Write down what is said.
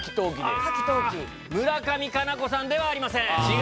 村上佳菜子さんではありません。